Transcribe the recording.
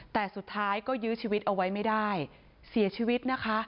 แต่สุดท้ายก็ยื้อชีวิตเอาไว้ไม่ได้เสียชีวิตนะคะ